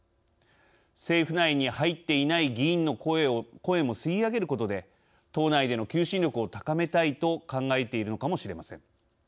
政府内に入っていない議員の声も吸い上げることで党内での求心力を高めたいと考えているのかもしれません。